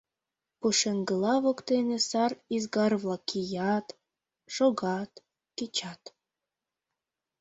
Пушеҥгыла воктене сар ӱзгар-влак кият, шогат, кечат.